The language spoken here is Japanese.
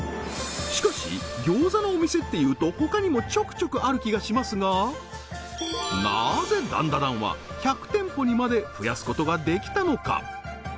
しかし餃子のお店っていうと他にもちょくちょくある気がしますがなぜダンダダンは１００店舗にまで増やすことができたのか！？